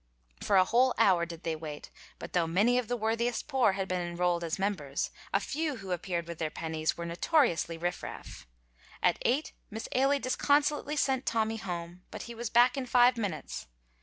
For a whole hour did they wait, but though many of the worthiest poor had been enrolled as members, the few who appeared with their pennies were notoriously riff raff. At eight Miss Ailie disconsolately sent Tommy home, but he was back in five minutes.